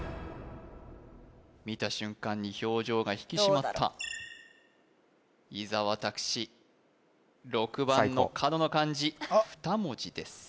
見た瞬間に表情が引き締まった伊沢拓司６番の角の漢字さあいこう２文字ですあっ